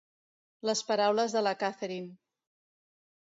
Les paraules de la Catherine.